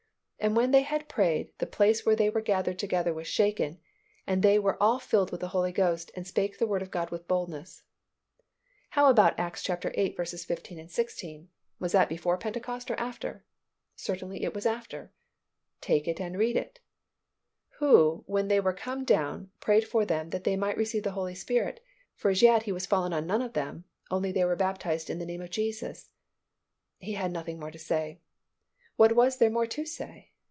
"And when they had prayed, the place where they were gathered together was shaken, and they were all filled with the Holy Ghost and spake the Word of God with boldness." "How about Acts viii. 15, 16, was that before Pentecost or after?" "Certainly, it was after." "Take it and read it." "Who when they were come down prayed for them that they might receive the Holy Spirit, for as yet He was fallen on none of them, only they were baptized in the name of Jesus." He had nothing more to say. What was there more to say?